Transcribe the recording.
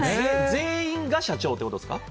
全員が社長ということですか？